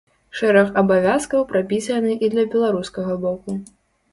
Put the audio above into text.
Шэраг абавязкаў прапісаны і для беларускага боку.